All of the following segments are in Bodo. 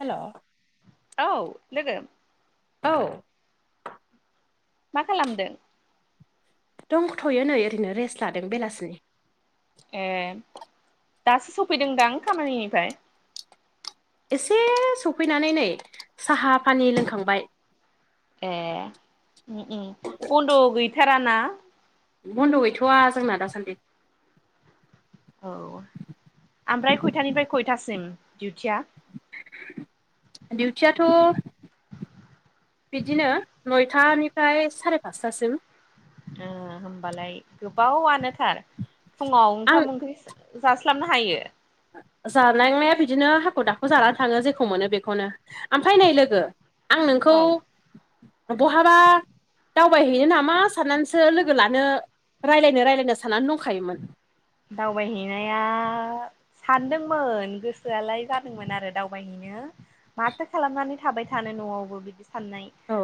हेल' औ लोगो औ मा खालामदों? दंथ'यो नै ओरैनो रेस्ट लादों बेलासिनि। ए दासो सफैदोंदां खामानिनिफ्राय। एसे सफैनानै साहा फानि लोंखांबाय। ए औ ओ बन्द' गैथाराना? बन्द गैथवा जोंना दासान्दि। औ ओमफ्राय खयथानिफ्राय खयथासिम दिउटिया? दिउटियाथ बिदिनो नयथानिफ्राय सारे फासथासिम। ओ होमबालाय गोबावनो थार फुङाव आं ओंखाम-ओंख्रि जास्लाबनो हायो? जानांनाया बिदिनो हाखु-दाखु जानानै थाङो जेखौ मोनो बेखौनो। ओमफ्राय नै लोगो आं नोंखौ औ बहाबा दावबायहैनो नामा साननानैसो लोगो लानो रायज्लायनो रायज्लायनो साननानै दंखायोमोन। दावबाय हैनाया सानदोंमोन गोसोआलाय जादोंमोन आरो दावबायहैनो। माथो खालामनानै थाबाय थानो न'आवबो बिदि साननाय। औ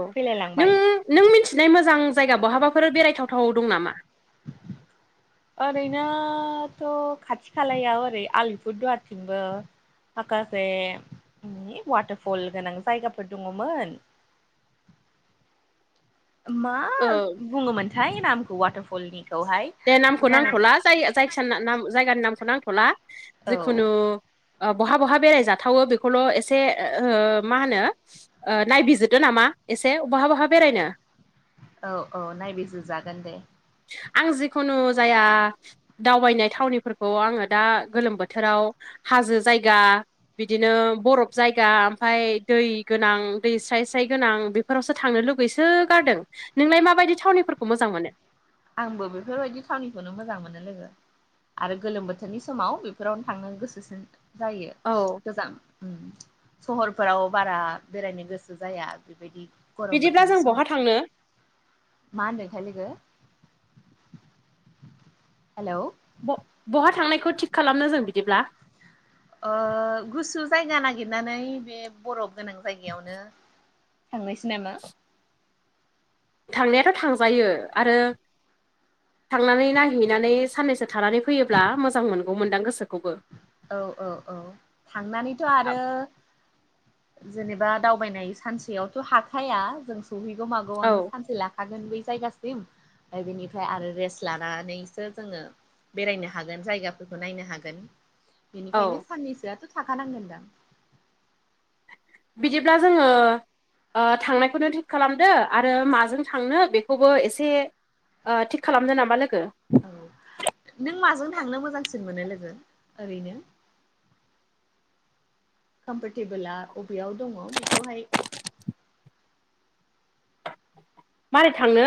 नों फैलायलांबाय नों मोनथिनाय मोजां जायगा बहाबाफोर बेरायथावथाव दं नामा? [inaudible] ओरैनोथ' खाथि-खालायाव ओरै आलिपुर दुवारथिंबो। माखासे वाटारफल गोनां जायगाफोर दङमोन। मा औ बुङोमोनथाय नामखौ वाटारफलनिखौहाय? दे नामखौ जानाय नांथला जाय-जाय जायखि जायगानि नामखौ नांथ'ला। औ जिखुनु ओ बहा बहा बेरायजाथावो बेखौल' एसे ओ मा होनो? ओ नायबिजिरदो नामा एसे बहा बहा बेरायनो। औ औ नायबिजिर जागोन दे। आं जिखुनु जाया दावबायनाय थावनिफोरखौ आङो दा गोलोम बोथोराव हाजो जायगा बिदिनो बरफ जायगा ओमफ्राय दै गोनां दै स्राय स्राय गोनां बे फोरावसो थांनो लुगैसो गारदों। नोंलाय माबायदि थावनिफोरखौ मोजां मोनो? आंबो बेफोरबायदि थावनिखौनो मोजां मोनो लोगो। आरो गोलोम बोथोरनि समाव बेफोरावनो थांनो गोसोसिन जायो। औ गोजां सहरफोराव बारा बेरायनो गोसो जाया बेबायदि गरम बिदिब्ला बोथोरनि जों बहा थांनो समाव। मा होन्दोंथाय लोगो? हेल' ब'-बहा थांनायखौ थिग खालामनो जों बिदिब्ला? ओ गुसु जायगा नागिरनानै बे बरफ गोनां जायगायावनो। थांनोसै नामा। थांनायाथ' थांजायो आरो। थांनानै नायहैनानै साननैसो थानानै फैयोब्ला मोजां मोनगौमोनदां गोसोखौबो। औ औ औ थांनानैथ' आरो जेनेबा दावबायनाय सानसेयावथ' हाखाया जों सहैगौ मागौआनो औ सानसे ला खागोन बै जायगासिम। ओमफ्राय बेनिफ्राय आरो रेस्ट लानानैसो जोङो बेरायनो हागोन जायगाफोरखौ नायनो हागोन। बेनिखायनो औ साननैसोआथ थाखानांगोनदां। बिदिब्ला जोङो ओ थांनायखौनो थिग खालामदो आरो माजों थांनो बेखौबो एसे ओ थिग खालामदो नामा लोगो? औ नों माजों थांनो मोजांसिन मोनो लोगो ओरैनो? कमफरटेबोला अबेयाव दङ बेखौहाय मारै थांनो?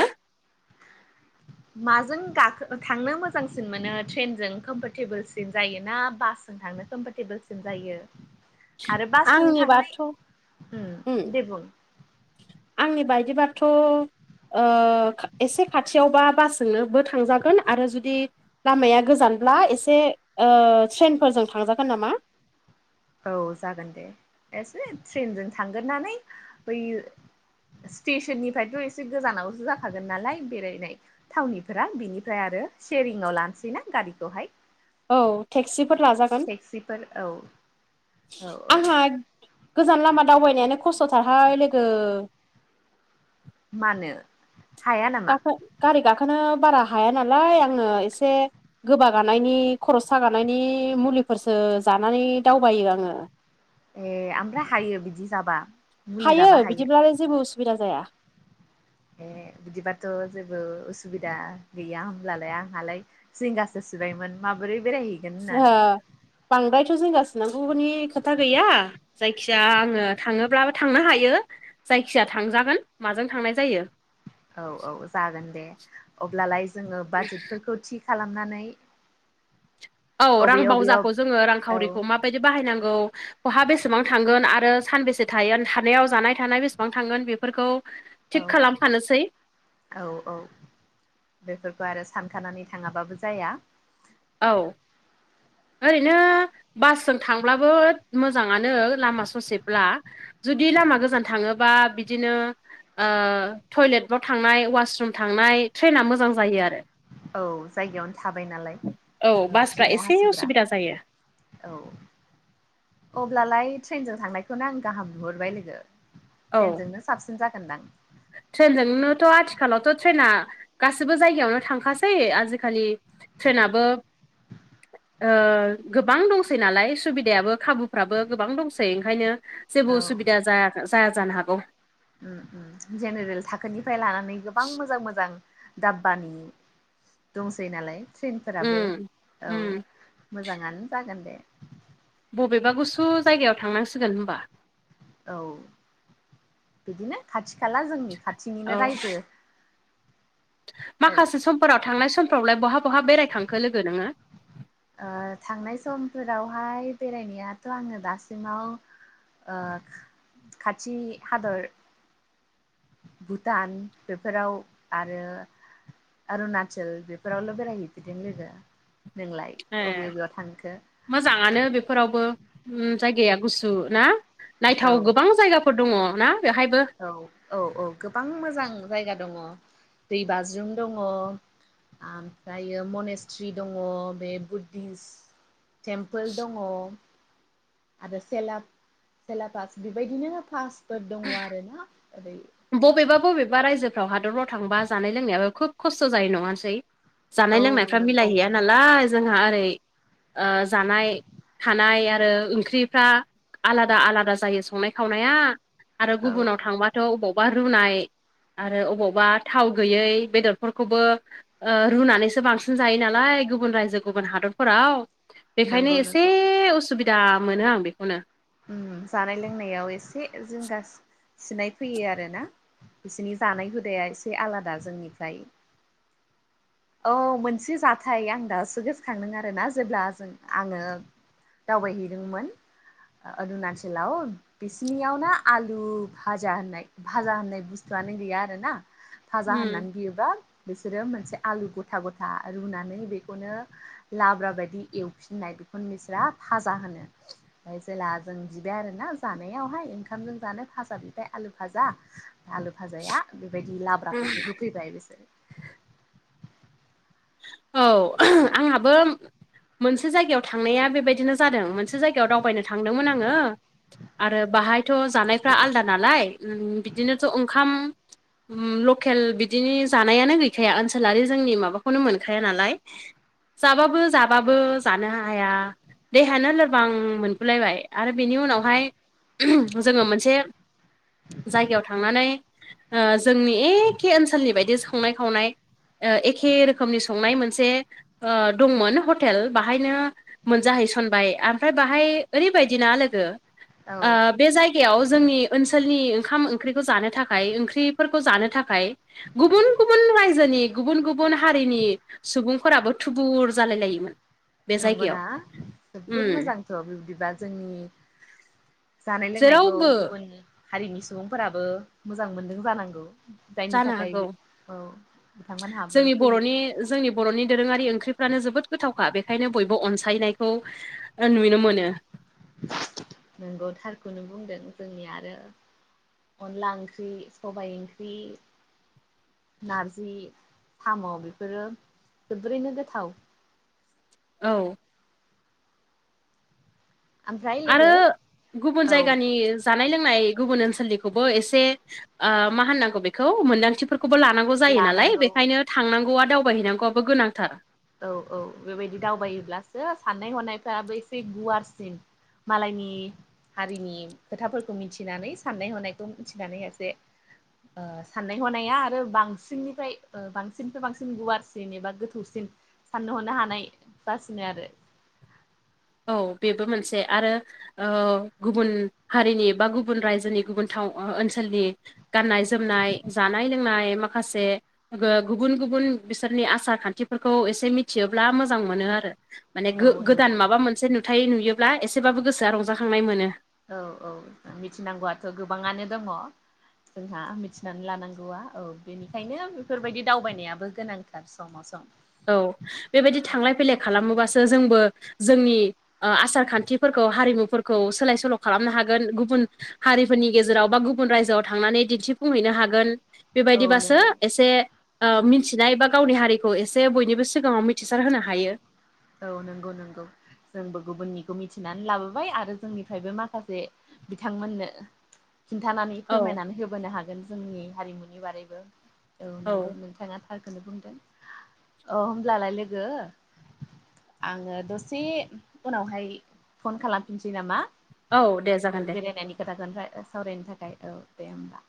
[inaudible] माजों गाखो थांनो मोजांसिन मोनो ट्रेनजों कम्फरटेबोलसिन जायोना बास? जों थांनो कम्फरटेबोलसिम जायो। आरो बासजों थांनाय आंनिबाथ' उम दे बुं आंनि बायदिबाथ' ओ खा एसे खाथियावबा बासजोंनोबो थांजागोन जुदि, लामाया गोजानब्ला एसे ओ ट्रेनफोरजों थांजागोन नामा? औ जागोन दे एसे ट्रेनजों थांग्रोनानै बैयो स्टेसननिफ्रायथ' एसे गोजानावसो जाखागोन नालाय बेरायनाय। थावनिफोरा बिनिफ्राय आरो सेरिंआव लानोसैना गारिखौहाय। औ टेक्सिफोर लाजागोन। टेक्सिफोर औ औ आंहा गोजान लामा दावबायनायानो खस्थ थारहाय लोगो, मानो? हाया नामा गाखो गारि गाखोनो बारा हाया नालाय आंनो एसे, गोबागानायनि खर सागानायनि मुलिफोरसो जानानै दावबायो आङो। ए ओमफ्राय हायो बिदि जाबा, मुलि हायो जाबा बिदिब्लालाय जेबो उसुबिदा जाया। ए बिदिबाथ' जेबो उसुबिदा गैया होमब्लालाय आंहालाय। जिंगासो सिबायमोन माबोरै बेराय ओ बांद्रायथ' जिंगासिनांगौनि खोथा गैया। जायखिजाया आङो थाङोब्लाबो थांनो हायो जायखिया थांजागोन माजों थांनाय जायो। औ औ जागोन दे अब्लालाय जोङो बाजेटफोरखौ थि खालामनानै। औ रां अबे अबेयाव बावजाखौ जोङो औ रांखावरिखौ माबायदि बाहायनांगौ। बहा बेसेबां थांगोन आरो सानबेसे थाहैगोन थानायाव जानाय थानाय बेसेबां थांगोन बेफोरखौ। थिग औ खालामखानोसै औ औ बेफोरखौ आरो सानखानानै थाङाबाबो जाया। औ ओरैनो बासजों थांब्लाबो। मोजाङानो लामा ससेब्ला जुदि लामा गोजान थाङोबा बिदिनो, ओ टयलेटाव थांनाय वासरुम थांनाय ट्रेना मोजां जायो। आरो औ जायगायावनो थाबाय नालाय, औ बासफ्रा खिग्रा एसे हासुग्रा उसुबिदा जायो। औ अब्लालाय ट्रेनजों थांनायखौनो आं गाहाम नुहरबाय लोगो। औ ट्रेनजोंनो साबसिन जागोन दां। ट्रेनजोंनोथ' आथिखालावथ' ट्रेना गासैबो जायगायावनो थांखासै आजिखालि। ट्रेनाबो। [inaudible] ओ गोबां दंसै नालाय सुबिदायाबो खाबुफोराबो गोबां दंसै ओंखायनो। जेबो औ उसुबिदा जाया जाया जानो हागौ। उम उम जेनेरेल थाखोनिफ्राय लानानै गोबां मोजां मोजां। दाब्बानि दंसै नालाय ट्रेनफोराबो उम औ, उम मोजाङानो जागोन दे। बबेबा गुसु जायगायाव थांनांसिगोन होमबा। औ बिदिनो खाथि-खाला जोंनि खाथिनिनो औ रायजो। ओ माखासे समफोराव थांनाय समफोरावलाय बहा-बहा बेरायखांखो लोगो नोङो? ओ थांनाय समफोरावहाय बेरायनायाथ' आङो दासिमाव ओ खाथि हादर भुटान बेफोराव आरो अरुणाचल बेफोरावल' बेरायहैफेरदों लोगो, ‌ नोंलाय? ए अबे अबेयाव थांखो? मोजाङानो बेफोरावबो उम जायगाया गुसुना नायथाव औ गोबां जायगा फोर दङ'ना बेवहायबो। औ औ-औ गोबां मोजां जायगा दङ। दै बाज्रुम दङ, ओमफ्रायो मनेस्ट्रि दङ, बे बुद्धिस टेम्पोल दङ। आरो सेला-सेलापास बेबायदिनो पासफोर दङ आरोना ओरै बबेबा बबेबा रायजोफ्राव हादरफ्राव थांबा जानाय लोंनायाबो खोब खस्थ' जायो नङासै? जानाय औ लोंनायफ्रा नंगौ मिलायहैया ना नालाय जोंहा ओरै ओ जानाय, थानाय आरो ओंख्रिफ्रा आलादा-आलादा जायो संनाय खावनाया आरो औ गुबुनाव थांबाथ' अबावबा रुनाय आरो अबावबा थाव गैयै बेदरफोरखौबो ओ रुनानैसो बांसिन जायो नालाय गुबुन रायजो गुबुन हादरफोराव। बेखायनो नंगौ एसे नंगौ उसुबिदा मोनो आं बेखौनो। उम जानाय-लोंनायाव एसे जिंगा सिनाय फैयो आरोना बिसिनि जानाय हुदाया एसे आलादा जोंनिफ्राय। औ मोनसे जाथाय आं दासो गोसोखांदों आरोना जेब्ला जों आङो दावबायहैदोंमोन आरुनाचेलाव। बिसिनियावना आलु भाजा होननाय भाजा होननाय बुस्थुआनो गैया आरोना। थाजा उम होननानै बियोबा बिसोरो मोनसे आलु गथा-गथा रुनानै बेखौनो लाब्रा बायदि एवफिननाय बेखौनो बिसोरा फाजा होनो। ओमफ्राय जेला जों बिबाय आरोना जानायावहाय ओंखामजों जानो फाजा बिबाय आलु फाजा, आलु भाजाया बेबायदि लाब्राखौसो होफैबाय बिसोरो। ओ ओह आंहाबो मोनसे जायगायाव थांनाया बेबायदिनो जादों मोनसे जायगायाव दावबायनो थांदोंमोन आङो। आरो बाहायथ' जानायफ्रा आलदा नालाय उम बिदिनोथ' ओंखाम उम लकेल बिदिनि जानायानो गैखाया ओनसोलारि जोंनि माबाखौनो मोनखाया नालाय। जाबाबो जाबाबो जानो हाया। देहायानो लोरबां मोनगुलायबाय आरो बेनि उनावहाय उम जोङो मोनसे जायगायाव थांनानै ओ जोंनि एखे ओनसोलनि बायदि संनाय खावनाय एखे रो रोखोमनि संनाय मोनसे ओ दंमोन हटेल बाहायनो मोनजाहैसनबाय ओमफ्राय बाहाय ओरैबायदिना लोगो, औ ओ बे जायगा जायायाव जोंनि ओनसोलनि ओंखाम-ओंख्रिखौ जानो थाखाय ओंख्रिफोरखौ जानो थाखाय थाखाय गुबुन गुबुन रायजोनि गुबुन गुबुन हारिनि सुबुंफोराबो थुबुर जालाय लायोमोन। बे जायगायाव नंगौना, जोबोद मोजां। उम थ' बिबदिबा जोंनि जानाय लोंनायखौ जेरावबो गुबुन हारिनि सुबुंफोराबो मोजां मोन्दों जानांगौ। जायनि जानो थाखाय हागौ औ बिथांमोनहाबो जोंनि फैयो। बर'नि जोंनि बर'नि दोरोङारि ओंख्रिफ्रानो जोबोद गोथावखा बेखायनो बयबो अनसायनायखौ। आनबि न मोननायया। नंगौ थारखौनो बुंदों जोंनि आरो। अनला ओंख्रि सबाइ ओंख्रि। नारजि साम' बेफोरो जोबोरैनो गोथाव। औ। ओमफ्राय आरो लोगो गुबुन औ जायगानि। जानाय लोंनाय गुबुन ओनसोलनिखौबो एसे मा होननांगौ बेखौ मोनदांथि। फोरखौबो लानांगौ जायो नालाय लानांगौ बेखायनो थांनांगौआ दावबायहैनांगौआबो गोनांथार। औ औ बेबायदि दावबायोब्लासो साननाय हनायफ्राबो एसे गुवारसिन। मालायनि। हारिनि खोथाफोरखौ मिथिनानै साननाय हनायखौ मिथिनानै एसे। ओ साननाय हनाया आरो बांसिननिफ्राय ओ बांसिननिफ्राय बांसिन एबा गोथौसिन। साननो हनो हानाय जासिनो आरो। औ बेबो मोनसे आरो। औ गुबुन हारिनि बा गुबुन रायजोनि गुबुन थाव ओनसोलनि। गाननाय जोमनाय जानाय लोंनाय माखासे बो गुबुन गुबुन बिसोरनि आसार खान्थिफोरखौ एसे मिथियोब्ला मोजां मोनो आरो। माने गो औ नंगौ गोदान माबा मोनसे नुथाय नुयोब्ला एसेबाबो गोसोआ रंजाखांनाय मोनो। औ औ मिथिनांगौआथ' गोबाङानो दङ। जोंहा मिथिनानै लानांगौआ औ बेनिखायनो बेफोरबायदि दावबायनायाबो गोनांथार समाव सम। औ बेबायदि थांलाय फैलाय खालामोबासो जोंबो जोंनि। ओ आसार खान्थिफोरखौ हारिमुफोरखौ सोलाय सोल' खालामनो हागोन गुबुन। हारिफोरनि गेजेराव बा गुबुन रायजोआव थांनानै दिन्थिफुंहैनो हागोन। औ बेबायदिबासो नंगौ एसे ओ मिथिनाय बा गावनि हारिखौ एसे जे बयनिबो सिगाङाव मिथिसार होनो हायो। औ नोंगौ नोंगौ जोंबो गुबुननिखौ मिथिनानै लाबोबाय आरो जोंनिफ्रायबो माखासे। बिथांमोननो। खिन्थानानै औ फोरमायनानै होबोनो हागोन जोंनि हारिमुनि बारैबो औ नोंगौ औ नोंथाङा। थारखौनो बुंदों औ होमब्लालाय लोगो। आङो दसे उनावहाय फन खालामफिनसै नामा। औ दे जागोन दे बेरायनायनि खोथाखौ सावरायनो थाखाय औ दे होमब्ला।